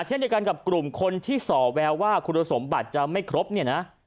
เช่นเดียวกันกับกลุ่มคนที่ส่อแววว่าคุณสมบัติจะไม่ครบเนี่ยนะ